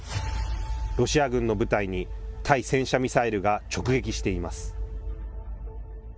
ロシア軍の部隊に対戦車ミサイルが直撃しています。